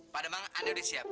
pak demang anda sudah siap